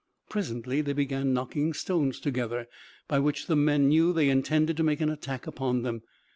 Presently they began knocking stones together, by which the men knew they intended to make an attack upon them.